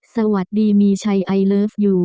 สวัสดีมีชัยไอเลิฟยู